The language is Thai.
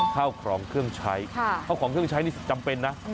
ข้าวของเครื่องใช้ข้าวของเครื่องใช้นี่จำเป็นนะ